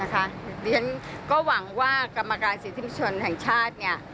ฉันก็หวังว่ากรรมการศิษย์ที่ผู้ชนแห่งชาติ